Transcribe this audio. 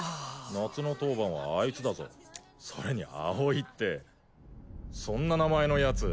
夏の当番はあいつだぞそれにアオイってそんな名前のやつ